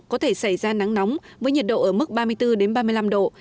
có thể xảy ra nắng nóng với nhiệt độ ở mức ba mươi bốn ba mươi năm độ